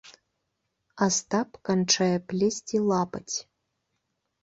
Астап канчае плесці лапаць.